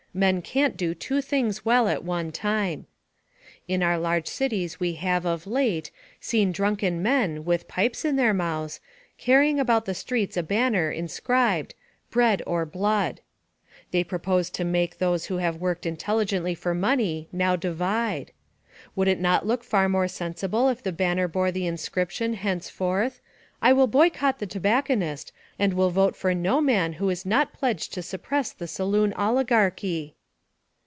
Man can't do two things well at one time. In our large cities we have, of late, seen drunken men, with pipes in their mouths, carrying about the streets a banner inscribed, "bread or blood." They propose to make those who have worked intelligently for money, now divide. Would it not look far more sensible if the banner bore the inscription, henceforth, I will boycott the tobacconist, and will vote for no man who is not pledged to suppress the saloon oligarchy?